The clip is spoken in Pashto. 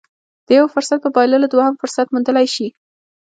د يوه فرصت په بايللو دوهم فرصت موندلی شي.